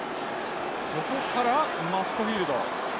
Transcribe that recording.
ここからマットフィールド。